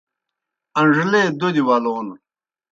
اݩڙلے دوْدیْ ولون